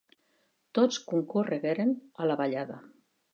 Tots concorregueren a la ballada.